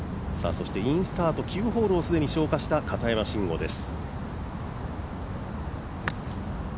インスタート９ホールを既に消化した片山晋呉です。